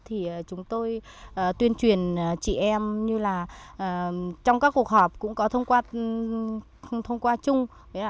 thì chúng tôi tuyên truyền chị em như là trong các cuộc họp cũng có thông qua chung